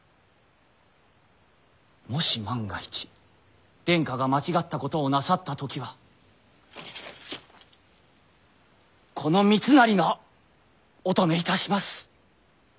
もし万が一殿下が間違ったことをなさった時はこの三成がお止めいたします。